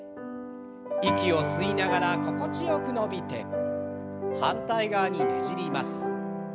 息を吸いながら心地よく伸びて反対側にねじります。